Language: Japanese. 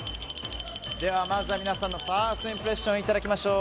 まずは皆さんのファーストインプレッションいただきましょう。